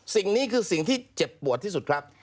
สิ่งนี้คือสิ่งที่เจ็บปวดที่สุดครับ